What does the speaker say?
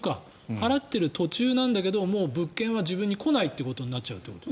払っている途中なんだけどもう物件は自分に来ないってことになるってこと？